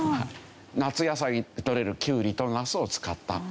夏野菜に採れるキュウリとナスを使った。